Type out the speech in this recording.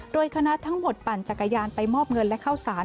โดยคณะทั้งหมดปั่นจักรยานไปมอบเงินและเข้าสาร